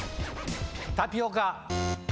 タピオカ。